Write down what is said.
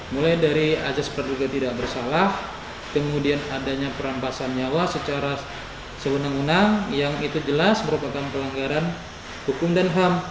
mulai dari ajas peraduga tidak bersalah kemudian adanya perampasan nyawa secara seundang undang yang itu jelas merupakan pelanggaran hukum dan ham